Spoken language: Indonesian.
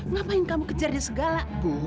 ngapain kamu kejar di segala